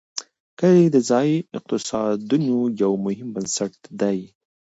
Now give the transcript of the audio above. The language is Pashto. کلي د ځایي اقتصادونو یو مهم بنسټ دی.